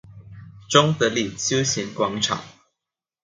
中德里休閒廣場